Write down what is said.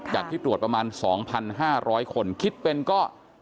จากที่ตรวจประมาณ๒๕๐๐คนคิดเป็นก็